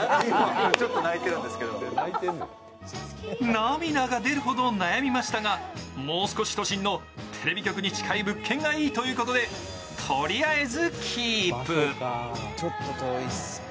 涙が出るほど悩みましたがもう少し都心のテレビ局に近い物件がいいということで、とりあえずキープ。